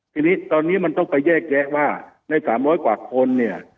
ทีนี้ตอนนี้มันต้องไปแยกแยะว่าใน๓๐๐กว่าคนเนี่ย